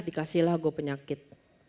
dikasihlah gue penyakit